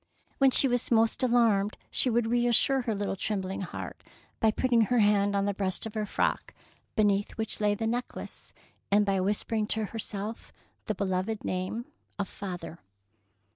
When she was most alarmed, she would reassure her little trembling heart by putting her hand on the breast of her frock, beneath which lay the necklace, and by whispering to herself the beloved name of " father."